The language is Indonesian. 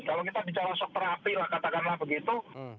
kalau kita bicara sosok terapi lah katakanlah begitu